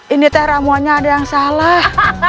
ini teh ramuahnya ada yang salah